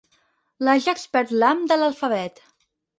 L'Ajax perd l'ham de l'alfabet.